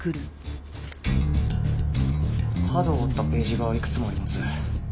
角を折ったページがいくつもあります。